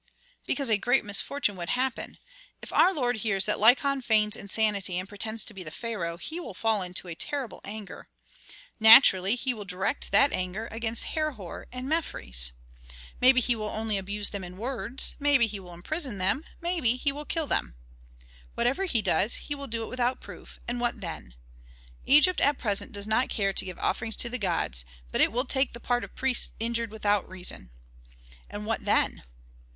"Because a great misfortune would happen. If our lord hears that Lykon feigns insanity and pretends to be the pharaoh, he will fall into terrible anger. Naturally he will direct that anger against Herhor and Mefres. Maybe he will only abuse them in words, maybe he will imprison them, maybe he will kill them. Whatever he does, he will do it without proof, and what then? Egypt at present does not care to give offerings to the gods, but it will take the part of priests injured without reason. And what then?